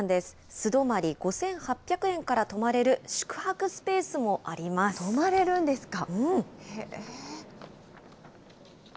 素泊まり５８００円から泊まれる宿泊スペース泊まれるんですか。